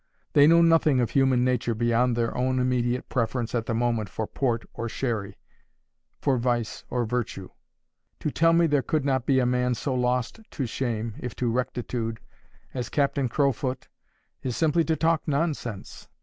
They know nothing of human nature beyond their own immediate preference at the moment for port or sherry, for vice or virtue. To tell me there could not be a man so lost to shame, if to rectitude, as Captain Crowfoot, is simply to talk nonsense.